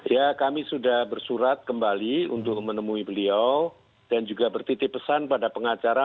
ya kami sudah bersurat kembali untuk menemui beliau dan juga bertitip pesan pada pengacara